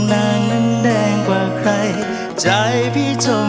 เพราะในลมพัดพาหัวใจพี่ไปถึง